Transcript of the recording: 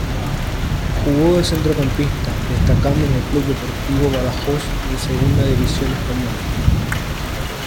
Jugó de centrocampista, destacando en el Club Deportivo Badajoz en Segunda división española.